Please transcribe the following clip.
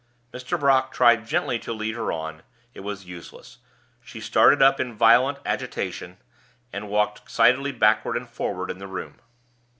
Mr. Brock tried gently to lead her on. It was useless; she started up in violent agitation, and walked excitedly backward and forward in the room.